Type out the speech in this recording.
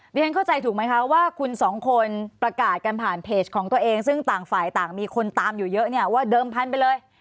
เรียนเข้าใจถูกไหมคะว่าคุณสองคนประกาศกันผ่านเพจของตัวเองซึ่งต่างฝ่ายต่างมีคนตามอยู่เยอะเนี่ยว่าเดิมพันไปเลย